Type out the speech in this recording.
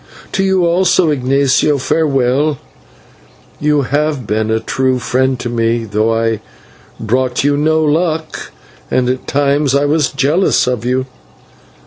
To you also, Ignatio, farewell. You have been a true friend to me, though I brought you no good luck, and at times I was jealous of you.